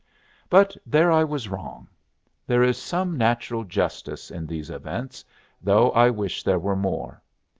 But there I was wrong. There is some natural justice in these events, though I wish there were more.